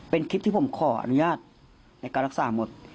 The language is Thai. เป็นคลิปที่ผมขออนุญาตในการรักษาหมด